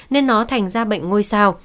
nên nó thành ra bệnh ngôi sao